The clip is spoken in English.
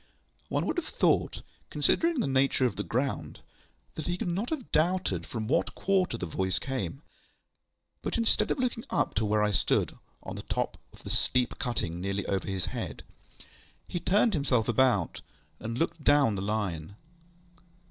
One would have thought, considering the nature of the ground, that he could not have doubted from what quarter the voice came; but instead of looking up to where I stood on the top of the steep cutting nearly over his head, he turned himself about, and looked down the Line.